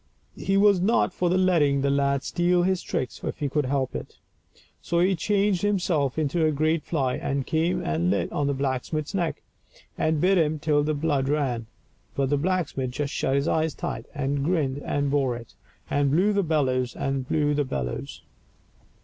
He was not for letting the lad steal his tricks if he could help it. So he changed himself into a great fly, and came and lit on the blacksmith's neck, and bit him till the blood ran ; but the blacksmith just shut his eyes tight, and grinned and bore it, and blew the bellows and blew the bellows.